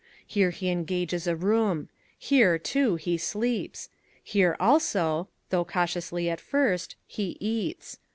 Here he engages a room; here, too, he sleeps; here also, though cautiously at first, he eats.